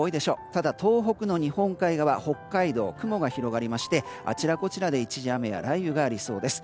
ただ、東北の日本海側、北海道雲が広がりましてあちらこちらで一時雨や雷雨がありそうです。